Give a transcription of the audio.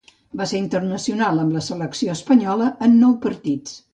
Va ser internacional amb la selecció espanyola en nou partits.